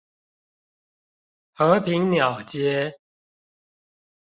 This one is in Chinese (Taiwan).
和平鳥街